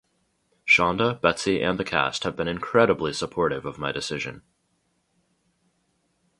Shonda, Betsy and the cast have been incredibly supportive of my decision.